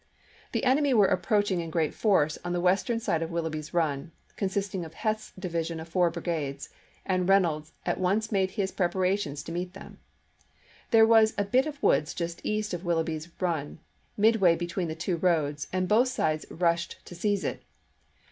The enemy were approaching in great force on the western side of Willoughby's Run, consisting of Heth's division of four brigades, and Reynolds at once made his preparations to meet them. There was a bit of woods just east of Willoughby's Run midway between the two roads, and both sides rushed to seize it.